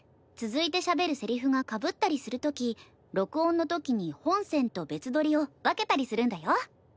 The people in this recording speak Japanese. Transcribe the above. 続いてしゃべるセリフがかぶったりするとき録音のときに本線と別録りを分けたりするんだよ。